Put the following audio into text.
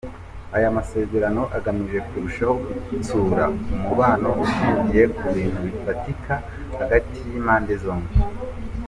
Aya masezerano agamije kurushaho gutsura umubano ushingiye ku bintu bifatika hagati y’impande zombi.